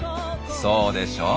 そうでしょう？